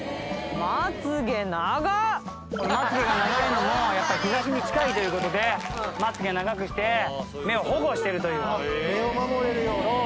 まつげが長いのもやっぱり、日ざしに近いということでまつ毛長くして、目を保護してるという。